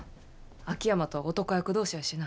秋山とは男役同士やしな。